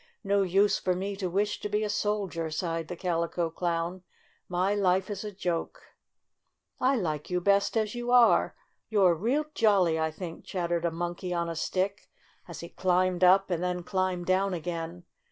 "No use for me to wish to be a soldier," sighed the Calico Clown. "My life is a joke!" 6 6 1 like you best as you are. Y ou 'r e real jolly, I think," chattered a Monkey on a Stick, as he climbed up and then climbed down again.